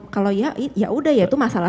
kalau ya ya sudah ya itu masalah